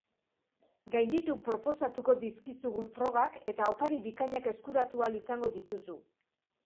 Gainditu proposatuko dizkizugun frogak eta opari bikainak eskuratu ahal izango dituzu.